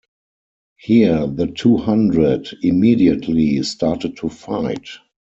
Here the two hundred immediately started to fight.